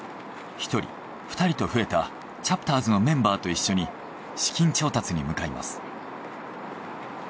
１人２人と増えたチャプターズのメンバーと一緒に資金調達に向かいます。